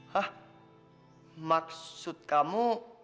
hah maksud kamu